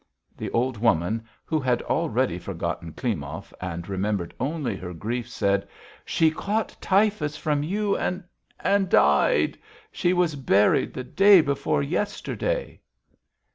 The old woman, who had already forgotten Klimov and remembered only her grief, said: "She caught typhus from you and ... and died. She was buried the day before yesterday."